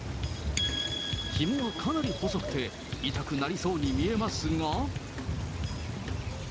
ひもがかなり細くて、痛くなりそうに見えますが。